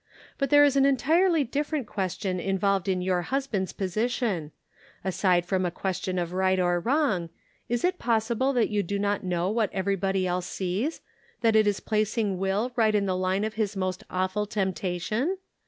But there is an entirely different question involved in your husband's position ; aside from a question of right or wrong, is it possible that you do not know what everybody else sees, that it is placing Will right in the line of his most awful tempta tion